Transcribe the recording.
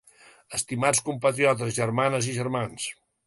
Estimats compatriotes, germanes i germans.